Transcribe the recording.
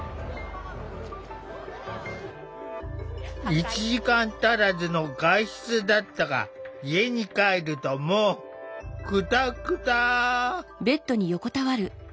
１時間足らずの外出だったが家に帰るともうクタクタ。